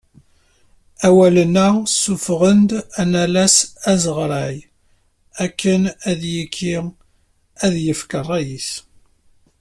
Awalen-a ssufuɣen-d anallas azeɣray akken ad yekki ad yefk rray-is.